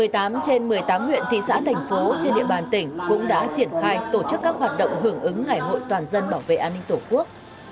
một mươi tám trên một mươi tám huyện thị xã thành phố trên địa bàn tỉnh cũng đã triển khai tổ chức các hoạt động hưởng ứng ngày hội toàn dân bảo vệ an ninh tổ quốc